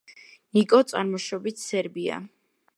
ნიკო წარმოშობით სერბია.